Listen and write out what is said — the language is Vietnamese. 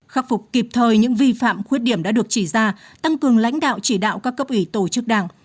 khắc phục kịp thời những vi phạm khuyết điểm đã được chỉ ra tăng cường lãnh đạo chỉ đạo các cấp ủy tổ chức đảng